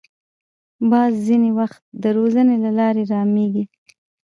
باز ځینې وخت د روزنې له لارې رامېږي